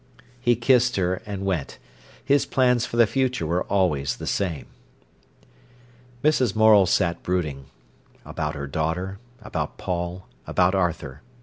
He kissed her and went. His plans for the future were always the same. Mrs. Morel sat brooding—about her daughter, about Paul, about Arthur.